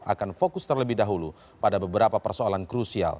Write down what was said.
akan fokus terlebih dahulu pada beberapa persoalan krusial